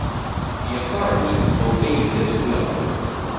The authorities obeyed this will.